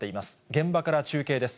現場から中継です。